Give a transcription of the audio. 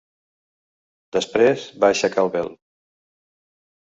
Després, va aixecar el vel.